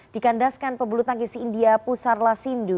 dikandaskan pebulu tangkis india pusarlah sindhu